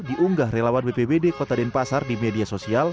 diunggah relawan bpbd kota denpasar di media sosial